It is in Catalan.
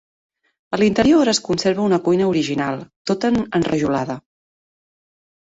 A l'interior es conserva una cuina original, tota enrajolada.